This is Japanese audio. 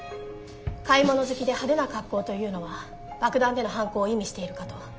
買い物好きで派手な格好というのは爆弾での犯行を意味しているかと。